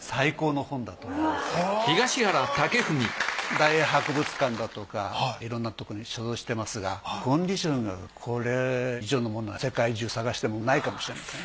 大英博物館だとかいろんなとこに所蔵してますがコンディションがこれ以上のものは世界中探してもないかもしれない。